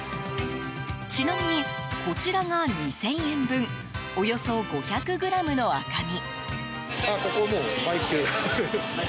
ちなみに、こちらが２０００円分およそ５００ｇの赤身。